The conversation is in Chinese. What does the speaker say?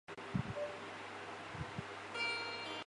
术法能力出众。